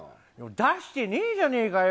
出してねえじゃねえかよ。